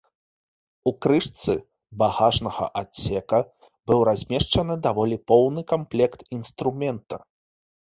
У крышцы багажнага адсека быў размешчаны даволі поўны камплект інструмента.